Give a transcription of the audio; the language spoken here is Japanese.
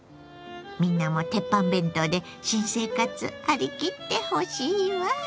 みんなもテッパン弁当で新生活張り切ってほしいわ。